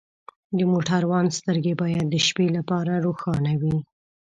د موټروان سترګې باید د شپې لپاره روښانه وي.